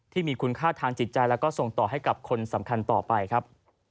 ที่มีคุณค่าทางจิตใจแล้วก็ส่งต่อให้กับคนสำคัญต่อไปครับ